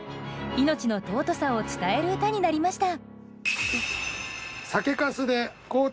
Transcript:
命の尊さを伝える歌になりました。